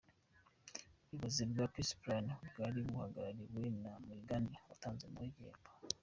Ubuyobozi bwa Peace Plan bwari buhagarariwe na Muligande watanze nawe igihembo.